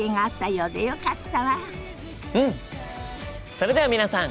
それでは皆さん